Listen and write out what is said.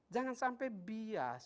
jangan sampai bias